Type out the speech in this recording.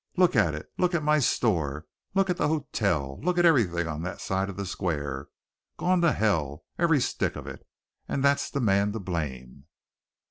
Look at it! look at my store, look at the ho tel, look at everything on that side of the square! Gone to hell, every stick of it! And that's the man to blame!"